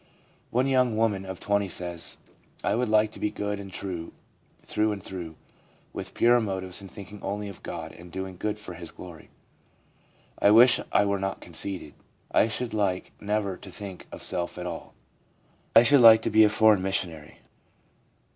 One young woman of 20 says :' I would like to be good and true through and through ; with purer motives, and thinking only of God and doing good for His glory. I wish I were not conceited. I should like never to think of self at all. I should like to be a foreign missionary.'